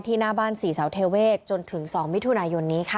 หน้าบ้านศรีเสาเทเวศจนถึง๒มิถุนายนนี้ค่ะ